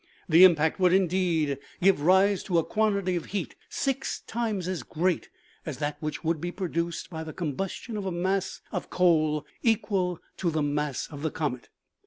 The impact would, indeed, give OMEGA. 37 rise to a quantity of heat six times as great as that which would be produced by the combustion of a mass of coal equal to the mass of the comet.